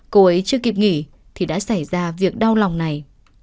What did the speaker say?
cô ấy chưa kịp nghỉ thì đã xảy ra việc đau lòng này